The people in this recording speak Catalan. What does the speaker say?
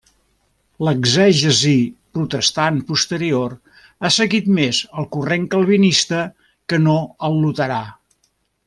L'exegesi protestant posterior ha seguit més el corrent calvinista que no el luterà.